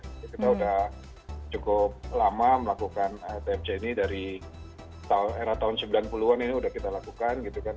kita sudah cukup lama melakukan tmc ini dari era tahun sembilan puluh an ini sudah kita lakukan gitu kan